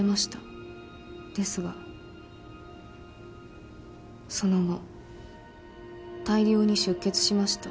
ですがその後大量に出血しました。